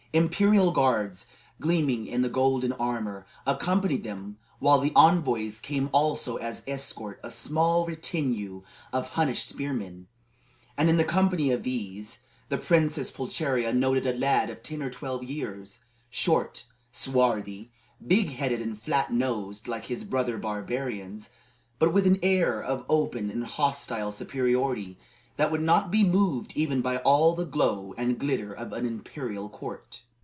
Imperial guards, gleaming in golden armor, accompanied them, while with the envoys came also as escort a small retinue of Hunnish spearmen. And in the company of these, the Princess Pulcheria noted a lad of ten or twelve years short, swarthy, big headed, and flat nosed, like his brother barbarians, but with an air of open and hostile superiority that would not be moved even by all the glow and glitter of an imperial court.